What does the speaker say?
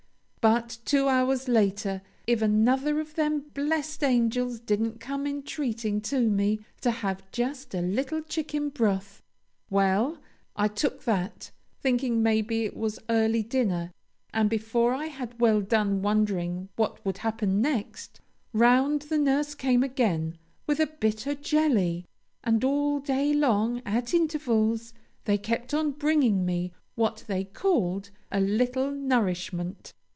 But two hours later, if another of them blessed angels didn't come entreating of me to have just a little chicken broth! Well, I took that, thinking maybe it was early dinner, and before I had well done wondering what would happen next, round the nurse came again with a bit o' jelly, and all day long at intervals they kept on bringing me what they called 'a little nourishment.'